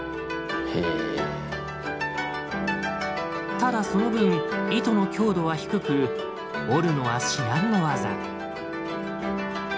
ただその分糸の強度は低く織るのは至難の業。